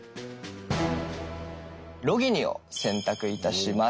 ロギニを選択いたします。